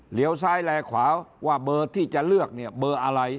ซ้ายแลขวาว่าเบอร์ที่จะเลือกเนี่ยเบอร์อะไร